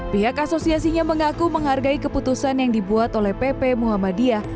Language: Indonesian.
pihak asosiasinya mengaku menghargai keputusan yang dibuat oleh pp muhammadiyah